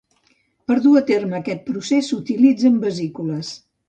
Per a dur a terme aquest procés s’utilitzen vesícules.